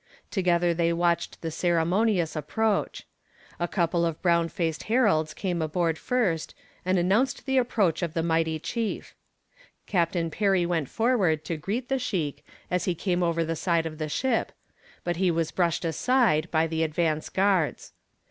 Together they watched the ceremonious approach. A couple of brown faced heralds came aboard first and announced the approach of the mighty chief. Captain Perry went forward to greet the sheik as he came over the side of the ship, but he was brushed aside by the advance guards.